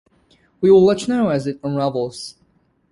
We will let you know as it unravels.